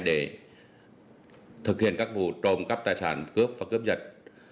để thực hiện các vụ trộm cắp tài sản cướp và cướp giật